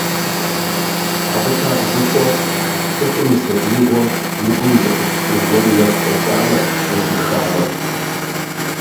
Абы лъабжьэ хуохъу цӀыхум и сабиигъуэм и гур изыкъутыхьын гуэр и нэгу щӀэкӀамэ, зэхихамэ.